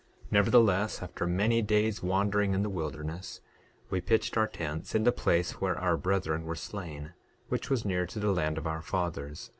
9:4 Nevertheless, after many days' wandering in the wilderness we pitched our tents in the place where our brethren were slain, which was near to the land of our fathers.